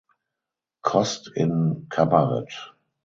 Kost in "Cabaret".